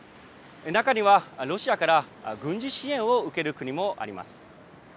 中には、ロシアから軍事支援を受ける国もあります。